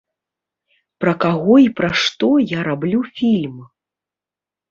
Пра каго і пра што я раблю фільм?